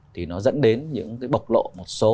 thì nó dẫn đến những cái bộc lộ một số